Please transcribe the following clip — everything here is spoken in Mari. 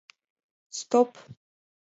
— Стоп!